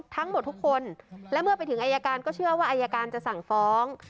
ทั้งหมดทุกคนและเมื่อไปถึงอายการก็เชื่อว่าอายการจะสั่งฟ้อง